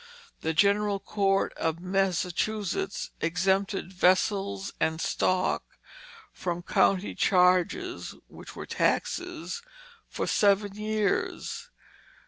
The General Court of Massachusetts exempted "vessels and stock" from "country charges" (which were taxes) for seven years.